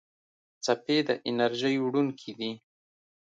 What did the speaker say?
څپې د انرژۍ وړونکي دي.